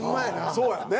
そうやんね。